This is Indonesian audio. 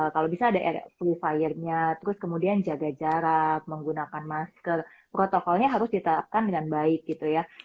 kalau bisa ada air flu fire nya terus kemudian jaga jarak menggunakan masker protokolnya harus diterapkan dengan baik gitu ya